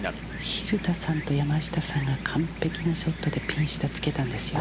蛭田さんと山下さんが完璧なショットでピン下につけたんですよね。